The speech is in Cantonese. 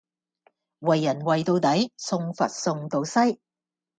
為人為到底，送佛送到西。